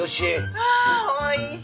うわおいしい。